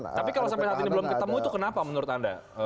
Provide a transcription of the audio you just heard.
tapi kalau sampai saat ini belum ketemu itu kenapa menurut anda